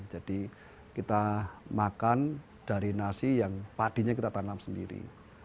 jadi kita makan dari nasi yang padinya kita tanam sendiri